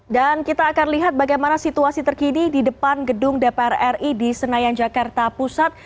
dan kita akan lihat bagaimana situasi terkini di depan gedung dpr ri di senayan jakarta pusat